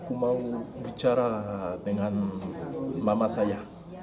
aku mau bicara dengan mama saya